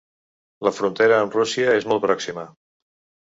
La frontera amb Rússia és molt pròxima.